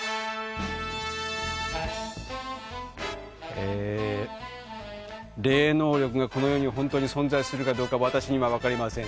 えー霊能力がこの世に本当に存在するかどうかわたしには分かりません。